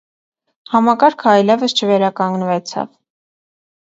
Համակարգը այլեւս չվերականգնեցաւ։